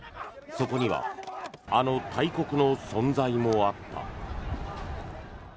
そこにはあの大国の存在もあった。